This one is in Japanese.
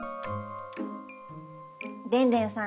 でんでんさん